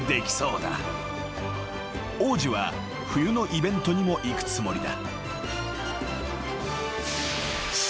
［王子は冬のイベントにも行くつもりだ］